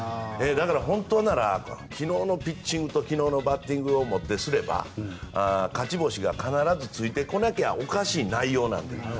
だから、本当なら昨日のピッチングと昨日のバッティングをもってすれば勝ち星が必ずついてこなきゃおかしい内容なんです。